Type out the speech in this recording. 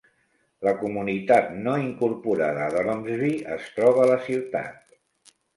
La comunitat no incorporada d'Ormsby es troba a la ciutat.